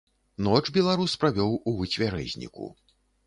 Ноч беларус правёў у выцвярэзніку.